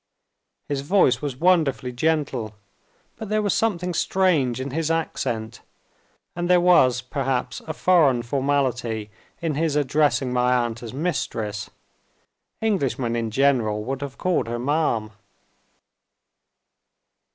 His voice was wonderfully gentle. But there was something strange in his accent and there was perhaps a foreign formality in his addressing my aunt as "Mistress." Englishmen in general would have called her "ma'am."